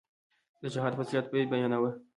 د جهاد فضيلت به يې بياناوه.